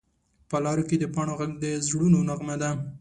په لارو کې د پاڼو غږ د زړونو نغمه ده